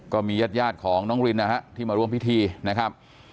ก็มีญาติยาดของน้องรินนะฮะที่มาร่วมพิธีนะครับ